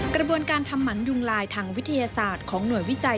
กระบวนการทำหมันยุงลายทางวิทยาศาสตร์ของหน่วยวิจัย